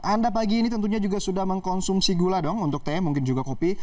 anda pagi ini tentunya juga sudah mengkonsumsi gula dong untuk teh mungkin juga kopi